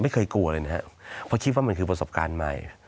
ไม่เคยกลัวเลยนะครับเพราะคิดว่ามันคือประสบการณ์ใหม่